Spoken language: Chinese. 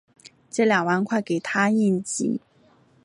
借两万块给她应急